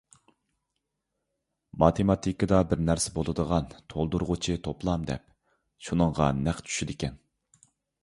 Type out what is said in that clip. ماتېماتىكىدا بىر نەرسە بولىدىغان تولدۇرغۇچى توپلام دەپ، شۇنىڭغا نەق چۈشىدىكەن.